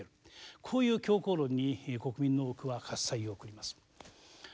こういう強硬論に国民の多くは喝采を送ります。